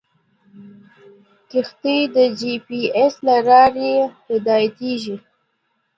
کښتۍ د جي پي ایس له لارې هدایتېږي.